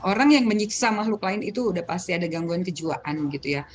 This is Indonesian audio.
orang yang menyiksa makhluk lain itu udah pasti ada gangguan kejiwaan gitu ya